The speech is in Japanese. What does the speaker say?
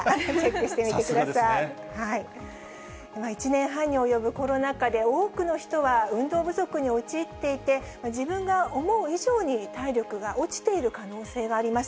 １年半に及ぶコロナ禍で、多くの人は運動不足に陥っていて、自分が思う以上に体力が落ちている可能性があります。